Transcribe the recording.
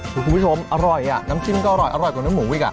คุณผู้ชมอร่อยอ่ะน้ำจิ้มก็อร่อยกว่าน้ำหมูอีก